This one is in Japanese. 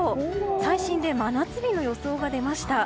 最新で真夏日の予想が出ました。